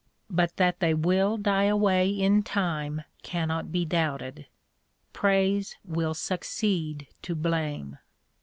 But that they will die away in time cannot be doubted. Praise will succeed to blame.